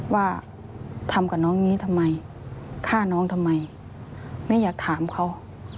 ว่าทำกับน้องนี้ทำไมฆ่าน้องทำไมแม่อยากถามเขา